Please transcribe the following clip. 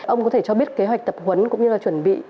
ông có thể cho biết kế hoạch tập huấn cũng như là chuẩn bị